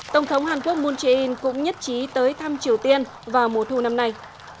tổng thống hàn quốc moon jae in cũng nhất trí tới thăm triều tiên vào mùa thu năm nay